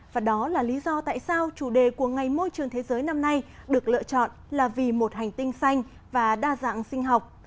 và đó là lý do tại sao chủ đề của ngày môi trường thế giới năm nay được lựa chọn là vì một hành tinh xanh và đa dạng sinh học